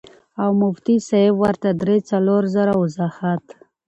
او مفتي صېب ورته درې څلور ځله وضاحت